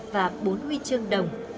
và bốn huy chương đồng